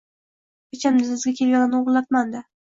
Hechamda, sizga kelganlarni o‘g‘irlabmanda